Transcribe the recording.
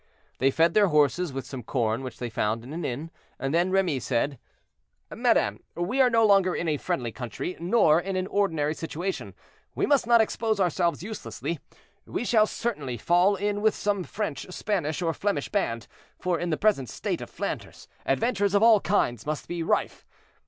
They fed their horses with some corn which they found in an inn, and then Remy said— "Madame, we are no longer in a friendly country, nor in an ordinary situation; we must not expose ourselves uselessly. We shall certainly fall in with some French, Spanish, or Flemish band, for in the present state of Flanders, adventures of all kinds must be rife.